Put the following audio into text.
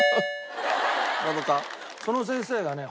その先生がね